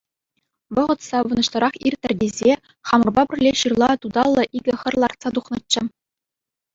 Вӑхӑт савӑнӑҫлӑрах ирттӗр тесе, хамӑрпа пӗрле ҫырла туталлӑ икӗ хӗр лартса тухнӑччӗ.